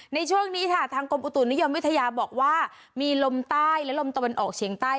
ในช่วงนี้ค่ะทางกรมอุตุนิยมวิทยาบอกว่ามีลมใต้และลมตะวันออกเฉียงใต้